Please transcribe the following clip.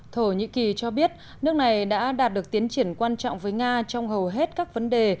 thổ nhĩ kỳ cho biết nước này đã đạt được tiến triển quan trọng với nga trong hầu hết các vấn đề